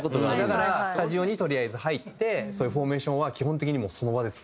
だからスタジオにとりあえず入ってそういうフォーメーションは基本的にその場で作りますね。